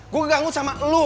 gue keganggu sama lo